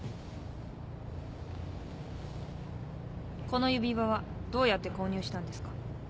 この指輪はどうやって購入したんですか？